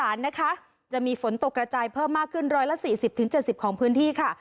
ภาคอีสานจะมีฝนตกระจายเพิ่มมากขึ้น๑๔๐๗๐ของพื้นที่